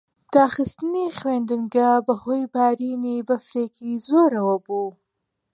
داخستنی خوێندنگە بەهۆی بارینی بەفرێکی زۆرەوە بوو.